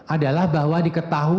adalah bahwa diketahui